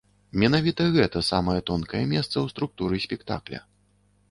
Менавіта гэта самае тонкае месца ў структуры спектакля.